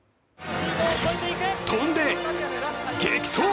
跳んで、激走！